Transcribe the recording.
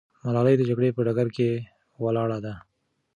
ملالۍ د جګړې په ډګر کې ولاړه ده.